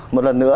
một lần nữa